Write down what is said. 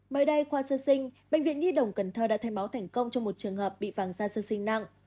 mới đây qua sơ sinh bệnh viện nhi đồng cần thơ đã thay máu thành công trong một trường hợp bị vàng da sơ sinh nặng